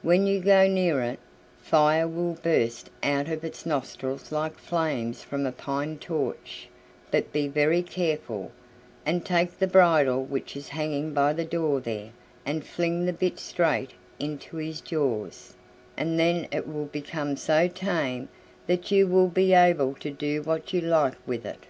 When you go near it, fire will burst out of its nostrils like flames from a pine torch; but be very careful, and take the bridle which is hanging by the door there, and fling the bit straight into his jaws, and then it will become so tame that you will be able to do what you like with it."